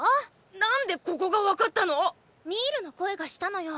何でここが分かったの⁉ミールの声がしたのよ。